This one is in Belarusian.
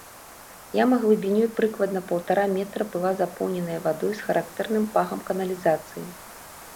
Яма глыбінёй прыкладна паўтара метра была запоўненая вадой з характэрным пахам каналізацыі.